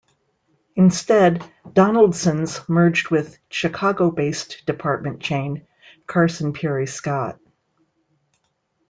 Instead, Donaldson's merged with Chicago-based department chain Carson Pirie Scott.